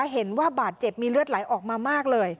เห็นว่าบาดเจ็บมีเลือดไหลออกมามากเลย